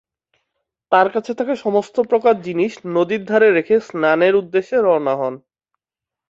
তার কাছে থাকা সমস্ত প্রকার জিনিস নদীর ধারে রেখে স্নানের উদ্দেশ্যে রওনা হন।